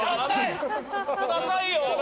くださいよ！